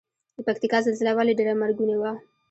د پکتیکا زلزله ولې ډیره مرګونې وه؟